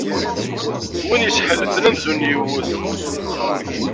Win isḥellfen, amzun iwwet.